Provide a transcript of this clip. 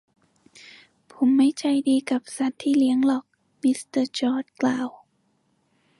ผมไม่ใจดีกับสัตว์ที่เลี้ยงหรอก มิสเตอร์จอร์ชกล่าว